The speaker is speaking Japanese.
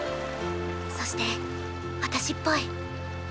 そして私っぽい。